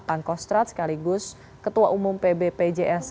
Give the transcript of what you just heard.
pang kostrad sekaligus ketua umum pbpjn